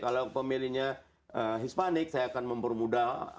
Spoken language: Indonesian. kalau pemilihnya hispanik saya akan mempermudah